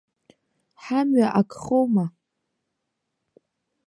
Ҳамҩа акхоума?